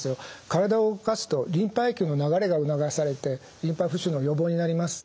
体を動かすとリンパ液の流れが促されてリンパ浮腫の予防になります。